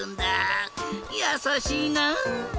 やさしいな！